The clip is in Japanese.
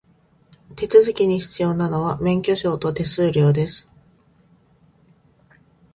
手続きに必要なのは、免許証と手数料です。